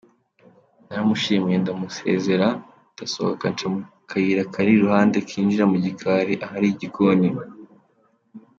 Naramushimiye ndamusezera, ndasohoka nca mu kayira kari iruhande kinjira mu gikari ahari igikoni.